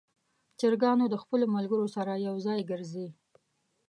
چرګان د خپلو ملګرو سره یو ځای ګرځي.